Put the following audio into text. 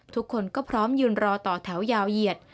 ทุกคนก็พร้อมยืนรอต่อแถวยาวเหยียด